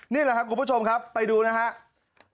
นี่แหละครับคุณผู้ชมครับไปดูนะครับ